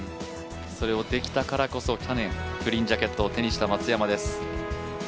それをできたからこそ去年、グリーンジャケットを手にした松山です。